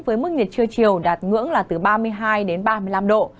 với mức nhiệt trưa chiều đạt ngưỡng là từ ba mươi hai đến ba mươi năm độ